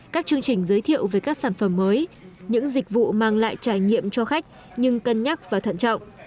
các chương trình giới thiệu về các sản phẩm mới những dịch vụ mang lại trải nghiệm cho khách nhưng cân nhắc và thận trọng